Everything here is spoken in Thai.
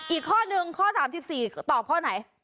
อีกข้อนึงข้อ๓๔ตอบข้อไหน